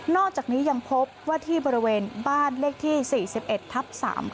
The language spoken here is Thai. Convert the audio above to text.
อกจากนี้ยังพบว่าที่บริเวณบ้านเลขที่๔๑ทับ๓๙